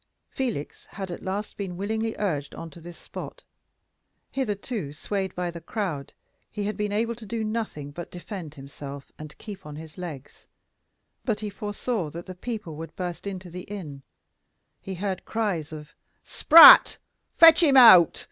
Felix had at last been willingly urged on to this spot. Hitherto swayed by the crowd, he had been able to do nothing but defend himself and keep on his legs; but he foresaw that the people would burst into the inn; he heard cries of "Spratt!" "Fetch him out!"